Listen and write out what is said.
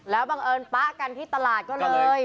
แล้วบังเอิญป๊ะกันที่ตลาดก็เลย